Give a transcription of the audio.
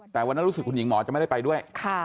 แต่วันนั้นรู้สึกคุณหญิงหมอจะไม่ได้ไปด้วย